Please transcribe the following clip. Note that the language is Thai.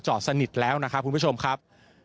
สนิทแล้วนะครับคุณผู้ชมครับ